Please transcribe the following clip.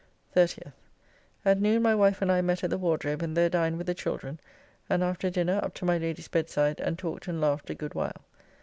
30th. At noon my wife and I met at the Wardrobe, and there dined with the children, and after dinner up to my Lady's bedside, and talked and laughed a good while.